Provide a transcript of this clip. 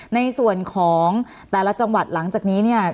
ในส่วนของแต่ละจังหวัดหลังจากนี้เนี่ย